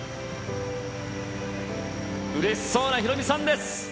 うれしそうなヒロミさんです。